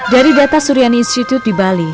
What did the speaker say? dari data suryani institute di bali